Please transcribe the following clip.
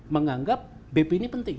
menganggap bp ini penting